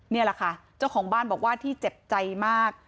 นี่แหละค่ะเจ้าของบ้านบอกว่าที่เจ็บใจมาก